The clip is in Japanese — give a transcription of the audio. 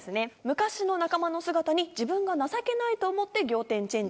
「昔の仲間の姿に自分が情けないと思って仰天チェンジ」。